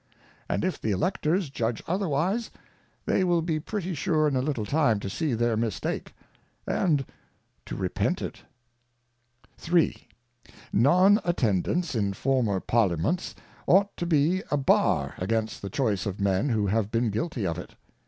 And if the Electors judge otherwise, they will be pretty sure in a little time to see their Mistake, and to repent it. III. Non Attendance in former Parliaments ought to be a Bar against the Choice of Men who have been guilty of it.